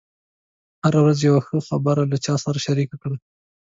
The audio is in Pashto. هره ورځ یوه ښه خبره له چا سره شریکه کړه.